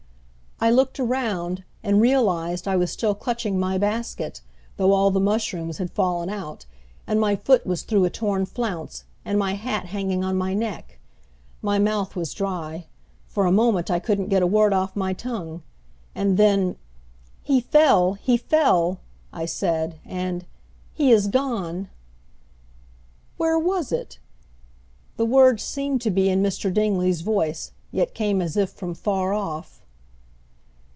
] I looked around, and realized I was still clutching my basket, though all the mushrooms had fallen out, and my foot was through a torn flounce, and my hat hanging on my neck. My mouth was dry. For a moment I couldn't get a word off my tongue; and then, "He fell, he fell!" I said, and, "He is gone!" "Where was it?" The words seemed to be in Mr. Dingley's voice, yet came as if from, far off.